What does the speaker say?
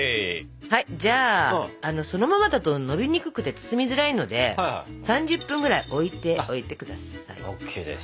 じゃあそのままだとのびにくくて包みづらいので３０分ぐらい置いておいて下さい。